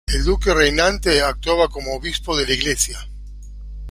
El duque reinante actuaba como obispo de la iglesia.